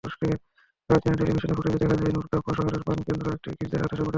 Reuters জানায়, টেলিভিশনে ফুটেজে দেখা যায়, নোরচা শহরের প্রাণকেন্দ্র একটি গির্জা ধসে পড়েছে।